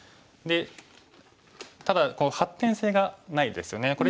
でただ発展性がないですよね。